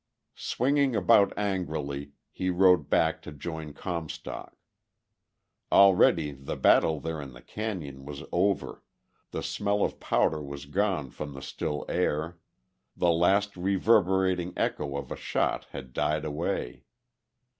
Swinging about angrily he rode back to join Comstock. Already the battle there in the cañon was over, the smell of powder was gone from the still air, the last reverberating echo of a shot had died away.